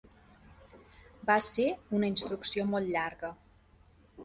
Va ser una instrucció molt llarga.